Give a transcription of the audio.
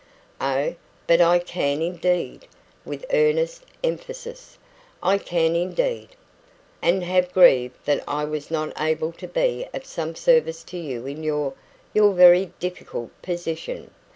"Oh, but I can indeed!" with earnest emphasis "I can indeed! And have grieved that I was not able to be of some service to you in your your very difficult position.